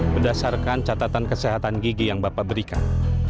berdasarkan catatan kesehatan gigi yang bapak berikan